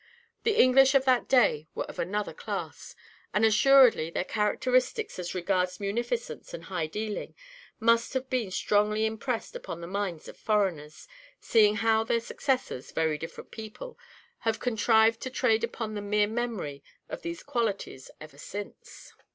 The English of that day were of another class; and assuredly their characteristics, as regards munificence and high dealing, must have been strongly impressed upon the minds of foreigners, seeing how their successors, very different people, have contrived to trade upon the mere memory of these qualities ever since."